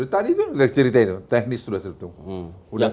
tadi itu sudah ceritain teknis itu sudah ceritain